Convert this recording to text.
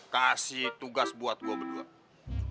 kasih tugas buat gue berdua